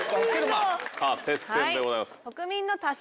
接戦でございます。